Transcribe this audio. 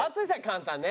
簡単ね。